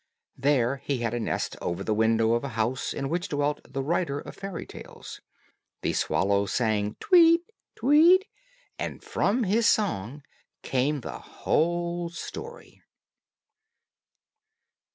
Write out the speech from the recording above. There he had a nest over the window of a house in which dwelt the writer of fairy tales. The swallow sang, "Tweet, tweet," and from his song came the whole story.